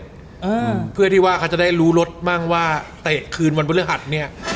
อืมเพื่อที่ว่าเขาจะได้รู้รถมั่งว่าเตะคืนวันพฤหัสเนี้ย